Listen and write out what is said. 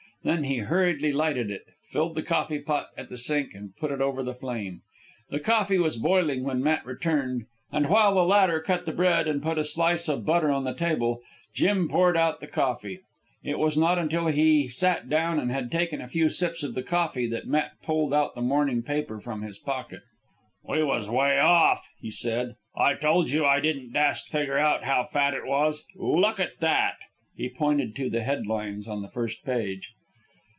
Then he hurriedly lighted it, filled the coffee pot at the sink, and put it over the flame. The coffee was boiling when Matt returned, and while the latter cut the bread and put a slice of butter on the table, Jim poured out the coffee. It was not until he sat down and had taken a few sips of the coffee, that Matt pulled out the morning paper from his pocket. "We was way off," he said. "I told you I didn't dast figger out how fat it was. Look at that." He pointed to the head lines on the first page.